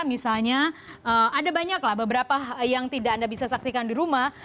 misalnya ada banyak lah beberapa yang tidak anda bisa saksikan di rumah